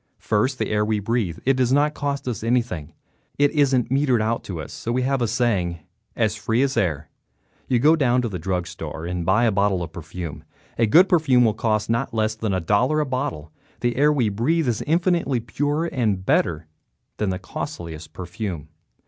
First, the air we breathe. It does not cost us anything, it isn't metered out to us, so we have a saying, "as free as air." You go down to the drug store and buy a bottle of perfume. A good perfume will cost not less than a dollar a bottle. The air we breathe is infinitely purer and better than the costliest perfume.